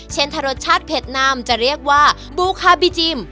เช่นถ้ารสชาติเผ็ดนามจะเรียกว่าบูคาบิจิม